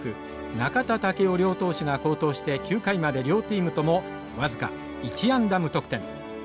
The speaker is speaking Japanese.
中田武雄両投手が好投して９回まで両チームとも僅か１安打無得点。